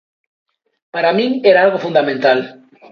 Para min era algo fundamental.